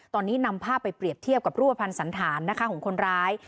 ตอนนี้นำภาพไปเปรียบเทียบกับรูปภัณฑ์สันธารนะคะของคนร้าย